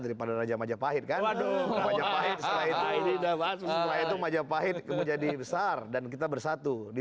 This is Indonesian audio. kepada raja majapahit kan waduh aja pak itu majapahit menjadi besar dan kita bersatu di